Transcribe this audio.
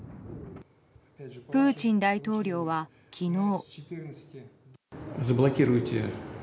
プーチン大統領は昨日。